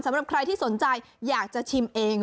สำหรับใครที่สนใจอยากจะชิมเอง